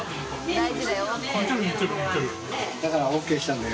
大事だよ。